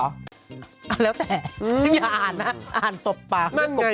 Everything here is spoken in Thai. เอาแล้วแต่อย่าอ่านนะอ่านตบปาก